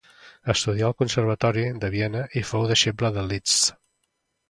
Estudià en el Conservatori de Viena i fou deixebla de Liszt.